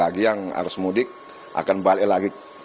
lagi yang harus mudik akan balik lagi